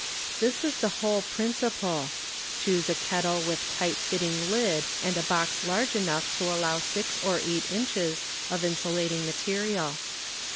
This is the whole principle. Choose a kettle with tight ntting lid and a box large enough to allow six or eight inches of insulating material.